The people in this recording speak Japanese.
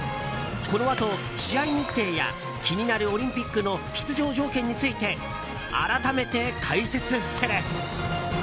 このあと試合日程や気になるオリンピックの出場条件について改めて解説する。